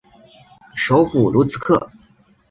首府卢茨克。